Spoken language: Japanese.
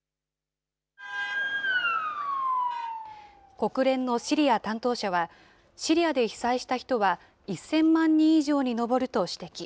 国連のシリア担当者は、シリアで被災した人は１０００万人以上に上ると指摘。